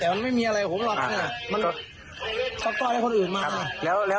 แต่มันไม่มีอะไรผมมันก็ต้องให้คนอื่นมา